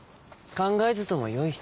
考えずともよい。